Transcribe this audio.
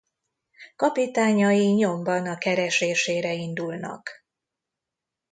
Kapitányai nyomban a keresésére indulnak.